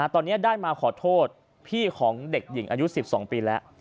ตอนนี้ได้มาขอโทษพี่ของเด็กหญิงอายุ๑๒ปีแล้ว